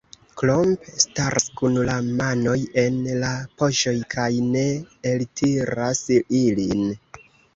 Klomp staras kun la manoj en la poŝoj kaj ne eltiras ilin.